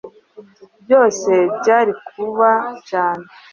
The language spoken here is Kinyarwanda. byose byari kuba cyane